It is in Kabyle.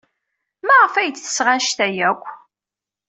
Maɣef ay d-tesɣa anect-a akk?